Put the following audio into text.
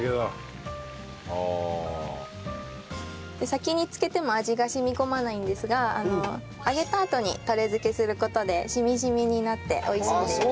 先に漬けても味が染み込まないんですが揚げたあとにタレ漬けする事で染み染みになって美味しいです。